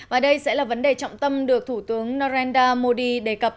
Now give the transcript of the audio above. và đây sẽ là vấn đề trọng tâm được thủ tướng narendra modi đề cập